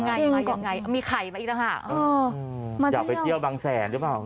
มายังไงมีไข่มาอีกแล้วฮะมาเที่ยวจะไปเที่ยวบางแสนหรือเปล่า